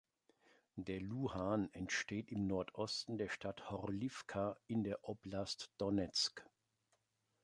Der Luhan entsteht im Nordosten der Stadt Horliwka in der Oblast Donezk.